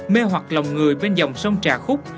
mê hoạt lòng người bên dòng sông trà khúc